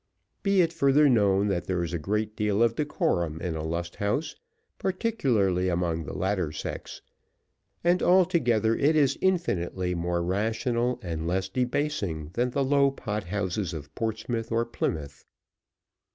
Be it further known, that there is a great deal of decorum in a Lust Haus, particularly among the latter sex; and altogether it is infinitely more rational and less debasing, than the low pot houses of Portsmouth or Plymouth.